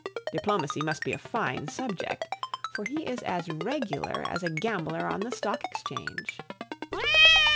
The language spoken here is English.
Diplomacy must be a fine subject, for he is as regular as a gambler on the Stock Exchange.